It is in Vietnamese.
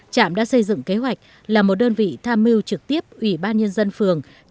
trạm đã xây dựng kế hoạch là một đơn vị tham mưu trực tiếp ủy ban nhân dân quận long biên